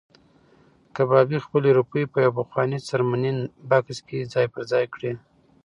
کبابي خپلې روپۍ په یو پخواني څرمنین بکس کې ځای پر ځای کړې.